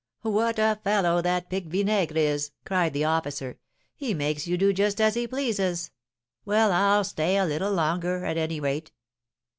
"What a fellow that Pique Vinaigre is!" cried the officer; "he makes you do just as he pleases! Well, I'll stay a little longer, at any rate!"